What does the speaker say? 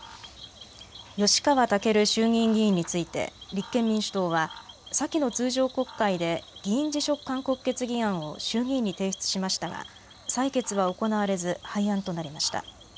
吉川赳衆議院議員について立憲民主党は先の通常国会で議員辞職勧告決議案を衆議院に提出しましたが採決は行われず廃案となりました。